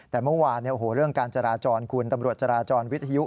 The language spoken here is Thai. แต่เมื่อวานเรื่องการจราจรคุณตำรวจจราจรวิทยุ